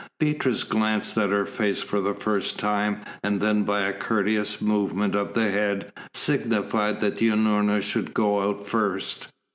Beatrice glanced at her face for the first time, and then by a courteous movement of the head signified that Unorna should go out first.